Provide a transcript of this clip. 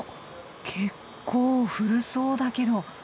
結構古そうだけど。